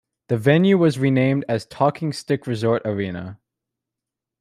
The venue was renamed as Talking Stick Resort Arena.